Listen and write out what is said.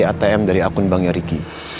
ada transaksi atm dari akun banknya ricky